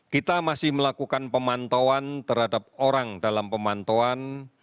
kita masih melakukan pemantauan terhadap orang dalam pemantauan